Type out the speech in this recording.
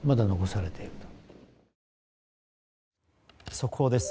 速報です。